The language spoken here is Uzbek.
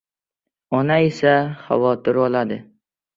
Ona esa xavotir oladi.